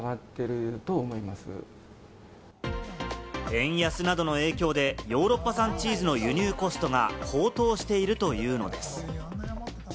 円安などの影響でヨーロッパ産チーズの輸入コストが高騰しているというのです。